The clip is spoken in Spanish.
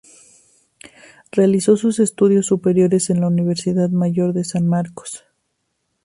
Realizó sus estudios superiores en la Universidad Mayor de San Marcos.